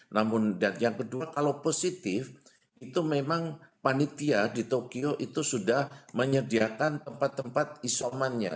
namun dan yang kedua kalau positif itu memang panitia di tokyo itu sudah menyediakan tempat tempat isomannya